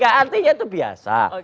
gak artinya itu biasa